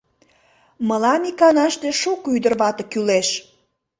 Мылам иканаште шуко ӱдыр-вате кӱлеш.